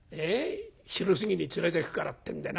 『昼過ぎに連れてくから』ってんでな。